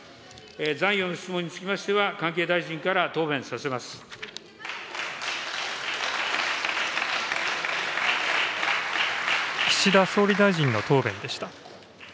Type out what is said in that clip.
残余の質問につきましては、関係岸田総理大臣の答弁でした。